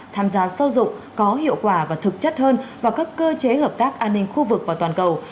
tham gia sâu rộng có hiệu quả và thực chất hơn vào các cơ chế hợp tác an ninh khu vực và toàn cầu